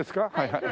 はい。